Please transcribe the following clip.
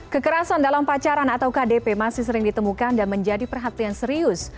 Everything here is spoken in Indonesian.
kekerasan dalam pacaran atau kdp masih sering ditemukan dan menjadi perhatian serius